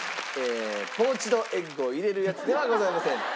ポーチドエッグを入れるやつではございません。